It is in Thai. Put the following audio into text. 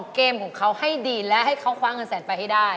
เกมของเขาให้ดีและให้เขาคว้าเงินแสนไปให้ได้